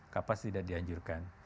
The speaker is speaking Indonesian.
kapas tidak dianjurkan